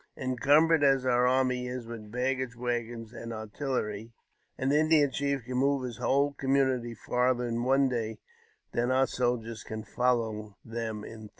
Encumbered as our army is with baggage wag gons and artillery, an Indian chief can move his whole com munity farther in one day than our soldiers can follow them in three.